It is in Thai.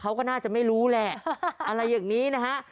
เขาก็น่าจะไม่รู้แหละอะไรอย่างนี้นะฮะ